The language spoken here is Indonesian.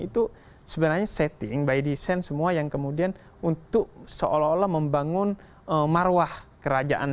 itu sebenarnya setting by design semua yang kemudian untuk seolah olah membangun marwah kerajaan